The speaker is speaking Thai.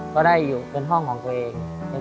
ก็ได้อยู่เป็นห้องของตัวเอง